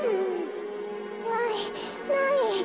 ないない。